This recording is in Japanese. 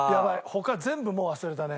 他全部もう忘れたね。